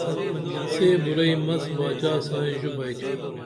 سے بُراعی مس باچا سائیں ژو بیئتُھوئی